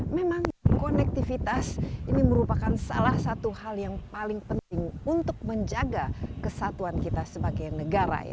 memang konektivitas ini merupakan salah satu hal yang paling penting untuk menjaga kesatuan kita sebagai negara